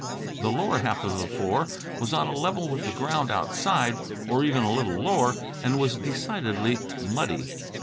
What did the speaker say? The lower half of the floor was on a level with the ground outside or even a little lower, and was decidedly muddy.